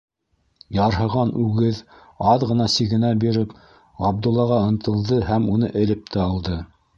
Ярһыған үгеҙ, аҙ ғына сигенә биреп, Ғабдуллаға ынтылды һәм уны элеп тә алды.